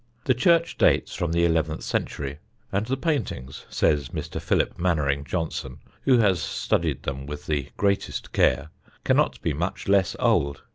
The church dates from the eleventh century, and the paintings, says Mr. Philip Mainwaring Johnson, who has studied them with the greatest care, cannot be much less old.